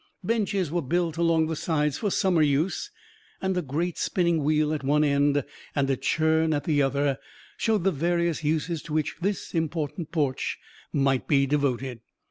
Benches were built along the sides for summer use; and a great spinning wheel at one end and a churn at the other showed the various uses to which this important porch might be devoted.